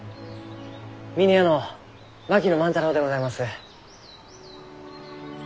峰屋の槙野万太郎でございます。